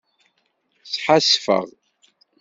Sḥasfeɣ.